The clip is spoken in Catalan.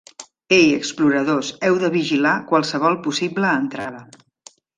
Ei, exploradors, heu de vigilar qualsevol possible entrada.